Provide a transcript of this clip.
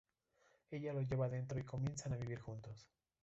Ella lo lleva adentro y comienzan a vivir juntos.